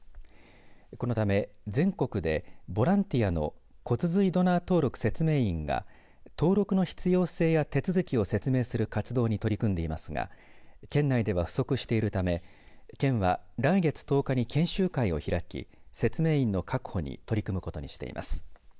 このため全国でボランティアの骨髄ドナー登録説明員が登録の必要性や手続きを説明する活動に取り組んでいますが県内では不足しているため県は来月１０日に研修会を開き説明員の確保に取り組むことにしています。